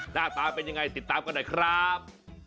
หน้าตาเป็นยังไงติดตามกันหน่อยครับ